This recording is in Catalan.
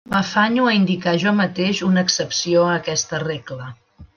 M'afanyo a indicar jo mateix una excepció a aquesta regla.